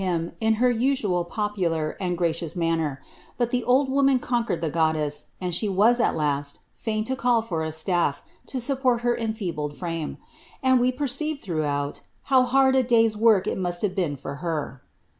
195 MMMired hinO) in her usual popular and graeioua manner ; but the old oouui conquered the goddess, and she was, at last, fiiin to call for a 1^ to support her enfeebled frame ; and we perceive, throughout, how lid a day's work it must have been for her.